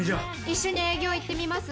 一緒に営業行ってみます？